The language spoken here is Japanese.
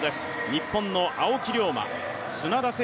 日本の青木涼真、砂田晟